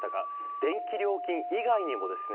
電気料金以外にもですね